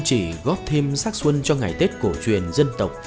chỉ góp thêm sắc xuân cho ngày tết cổ truyền dân tộc